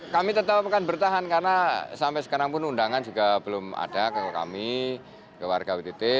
kami tetap akan bertahan karena sampai sekarang pun undangan juga belum ada ke kami ke warga wtt